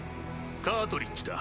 カートリッジだ。